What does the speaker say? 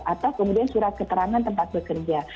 atau kemudian surat keterangan tempat bekerja